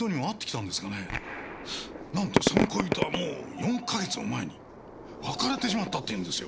なんとその恋人はもう４か月も前に別れてしまったっていうんですよ。